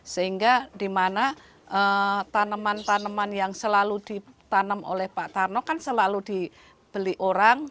sehingga di mana tanaman tanaman yang selalu ditanam oleh pak tarno kan selalu dibeli orang